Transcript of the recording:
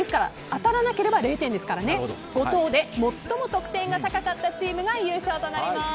当たらないと０点ですから、５投で最も得点が高かったチームが優勝になります。